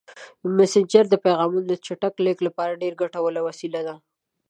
مسېنجر د پیغامونو د چټک لیږد لپاره ډېره ګټوره وسیله ده.